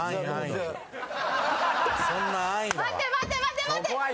待て待て待て待て！